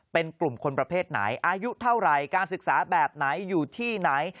เป็นกลุ่มคนประเภทไหนอายุเท่าไหร่การศึกษาแบบไหนอยู่ที่ไหน